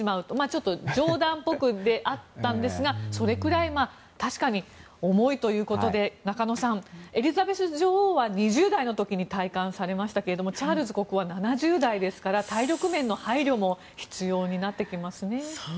ちょっと冗談っぽくではあったんですがそれくらい確かに重いということで中野さん、エリザベス女王は２０代の時に戴冠されましたけれどもチャールズ国王は７０代ですから、体力面の配慮も必要になってきますね。